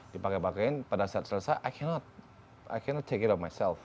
dipake pakein pada saat selesai i cannot take it off myself